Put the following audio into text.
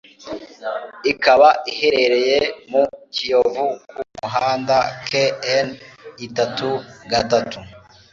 ikaba iherereye mu Kiyovu ku muhanda KN itatu gatatu